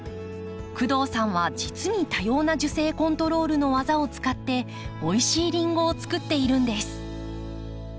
工藤さんはじつに多様な樹勢コントロールのわざを使っておいしいリンゴをつくっているんです。